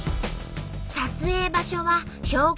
撮影場所は標高